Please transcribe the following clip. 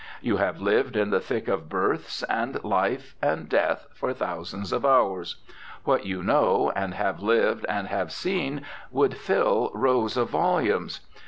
You have lived in the thick of births and life and death for thousands of hours. What you know, and have lived and have seen would fill rows of volumes.